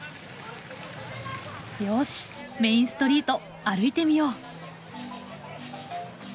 よしメインストリート歩いてみよう。